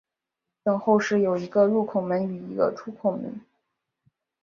等候室有一个入口门与一个出口门。